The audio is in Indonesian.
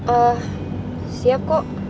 eh siap kok